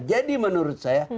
jadi menurut saya